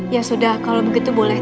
ya sudah kalau begitu boleh